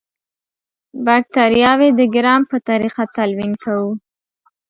باکټریاوې د ګرام په طریقه تلوین کوو.